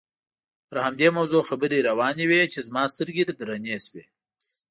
پر همدې موضوع خبرې روانې وې چې زما سترګې درنې شوې.